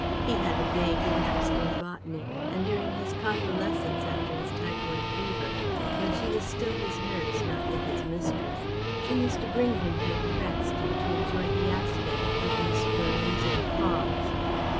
He had a vague interest in botany, and during his convalescence after his typhoid fever, when she was still his nurse, not yet his mistress, she used to bring him here to rest and to enjoy the aspect of these ferns and palms.